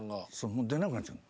もう出なくなっちゃうの。